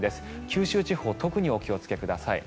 九州地方特にお気をつけください。